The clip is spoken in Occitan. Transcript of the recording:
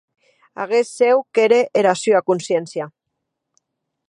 Aguest cèu qu’ère era sua consciéncia.